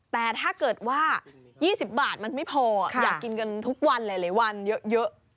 แต่ถ้าเกิดว่า๒๐บาทมันไม่พออยากกินกันทุกวันหลายวันเยอะ